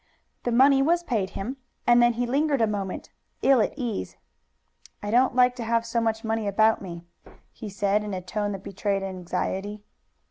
The money was paid him, and then he lingered a moment, ill at ease. "I don't like to have so much money about me," he said in a tone that betrayed anxiety.